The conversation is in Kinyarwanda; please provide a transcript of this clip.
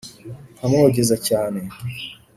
Nkamwogeza cyane